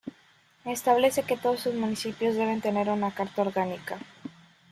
Establece que todos sus municipios deben tener una carta orgánica.